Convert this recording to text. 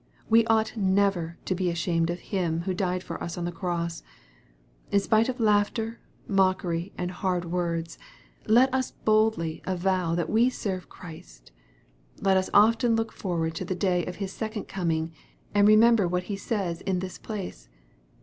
We ought never to be ashamed of Him who died for us on the cross. In spite of laughter, mockery, and hard words, let us boldly avow that we serve Christ. Let us often look forward to the day of His second coming, and remember what He says in this place.